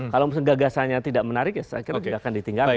kalau misalnya gagasannya tidak menarik ya saya kira tidak akan ditinggalkan